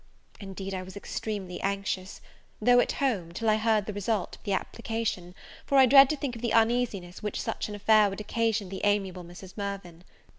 Indeed, I was extremely anxious, though at home, till I heard the result of the application, for I dread to think of the uneasiness which such an affair would occasion the amiable Mrs. Mirvan.